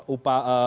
upaya untuk menjegal